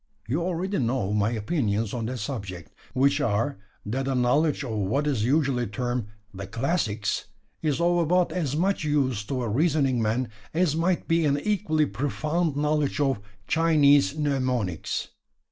You already know my opinions on that subject which are: that a knowledge of what is usually termed `the classics' is of about as much use to a reasoning man as might be an equally profound knowledge of Chinese mnemonics.